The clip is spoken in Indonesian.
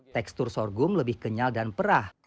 tekstur sorghum lebih kenyal dan perah